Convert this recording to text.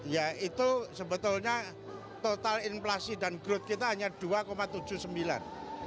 ya itu sebetulnya total inflasi dan growth kita hanya dua tujuh puluh sembilan